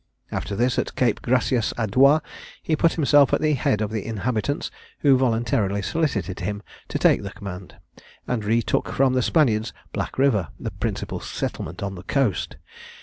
After this, at Cape Gracias á Dios, he put himself at the head of the inhabitants, who voluntarily solicited him to take the command, and retook from the Spaniards Black River, the principal settlement of the coast.